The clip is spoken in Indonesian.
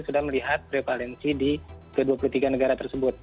sudah melihat prevalensi di ke dua puluh tiga negara tersebut